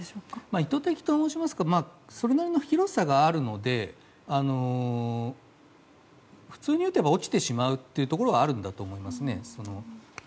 意図的と申しますとそれなりの広さがありますので普通に撃てば落ちてしまうというところはあるんだと思います。